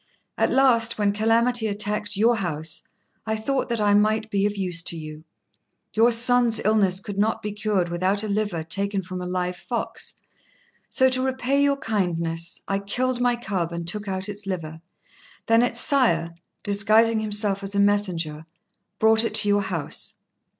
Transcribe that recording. At last, when calamity attacked your house, I thought that I might be of use to you. Your son's illness could not be cured without a liver taken from a live fox, so to repay your kindness I killed my cub and took out its liver; then its sire, disguising himself as a messenger, brought it to your house."